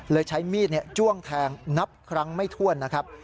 ใช้มีดจ้วงแทงนับครั้งไม่ถ้วนนะครับ